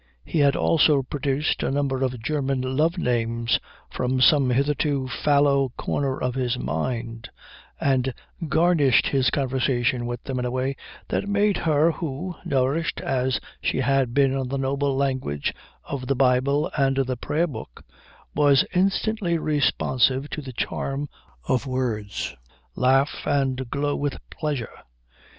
He had also produced a number of German love names from some hitherto fallow corner of his mind, and garnished his conversation with them in a way that made her who, nourished as she had been on the noble language of the Bible and the Prayer book, was instantly responsive to the charm of words, laugh and glow with pleasure.